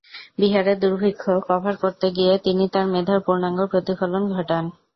বিহারের দুর্ভিক্ষ কভার করতে গিয়ে তিনি তার মেধার পূর্নাঙ্গ প্রতিফলন ঘটান।